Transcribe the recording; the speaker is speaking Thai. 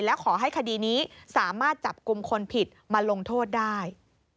และขอให้คดีนี้สามารถจับกลุ่มคนผิดมาลงโทษได้